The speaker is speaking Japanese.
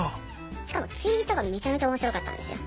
しかもツイートがめちゃめちゃ面白かったんですよ。